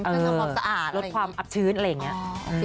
เพื่อทำความสะอาดลดความอับชื้นอะไรอย่างนี้